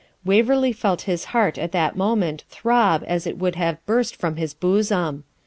Waverley felt his heart at that moment throb as it would have burst from his bosom.